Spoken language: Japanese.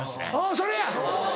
それや！